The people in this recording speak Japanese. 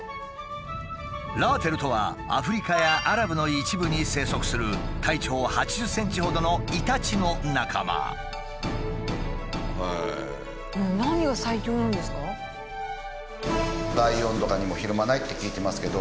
「ラーテル」とはアフリカやアラブの一部に生息する体長８０ｃｍほどのイタチの仲間。って聞いてますけど。